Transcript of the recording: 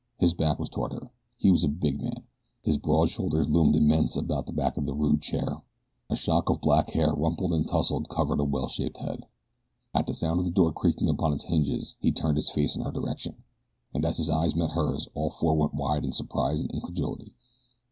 His back was toward her. He was a big man. His broad shoulders loomed immense above the back of the rude chair. A shock of black hair, rumpled and tousled, covered a well shaped head. At the sound of the door creaking upon its hinges he turned his face in her direction, and as his eyes met hers all four went wide in surprise and incredulity.